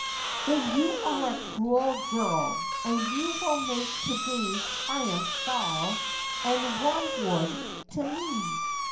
' Then you are a cruel girl, and you will make to da_v's triumph gall and wormwood to me.